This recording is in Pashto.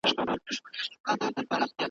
نه یې شور سته د بلبلو نه یې شرنګ سته د غزلو `